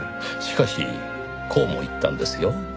しかしこうも言ったんですよ。